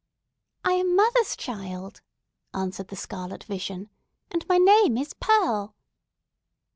"I am mother's child," answered the scarlet vision, "and my name is Pearl!"